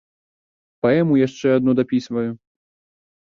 Паэму яшчэ адну дапісваю.